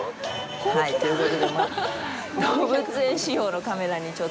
はい、ということで、まあ、動物園仕様のカメラに。